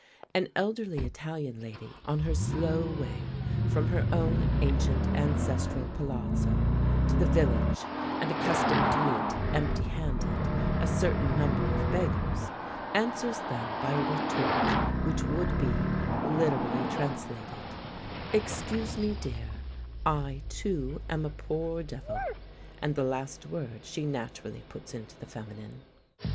An elderly Italian lady on her slow way from her own ancient ancestral palazzo to the village, and accustomed to meet, empty handed, a certain number of beggars, answers them by a retort which would be, literally translated, "Excuse me, dear; I, too, am a poor devil," and the last word she naturally puts into the feminine.